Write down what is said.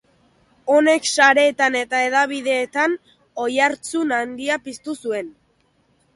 Honek sareetan eta hedabideetan oihartzun handia piztu zuen.